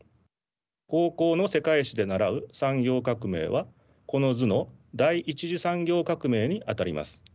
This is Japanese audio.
高校の世界史で習う産業革命はこの図の第１次産業革命にあたります。